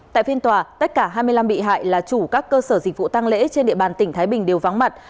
tại phiên tòa tất cả hai mươi năm bị hại là chủ các cơ sở dịch vụ tăng lễ trên địa bàn tỉnh thái bình đều vắng mặt